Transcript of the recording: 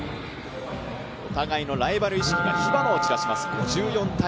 お互いのライバル意識が火花を散らします。